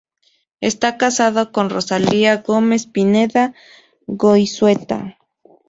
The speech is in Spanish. Está casado con Rosalía Gómez Pineda Goizueta.